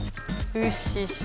ウッシッシ！